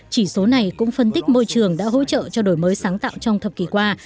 chỉ số này cũng phân tích môi trường đã hỗ trợ cho đổi mới sáng tạo trong thập kỷ qua